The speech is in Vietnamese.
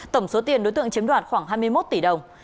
tổng số tiền đối tượng chiếm đoạt khoảng hai mươi một tỷ đồng